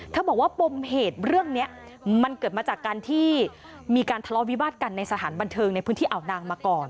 บอกว่าปมเหตุเรื่องนี้มันเกิดมาจากการที่มีการทะเลาะวิวาสกันในสถานบันเทิงในพื้นที่อ่าวนางมาก่อน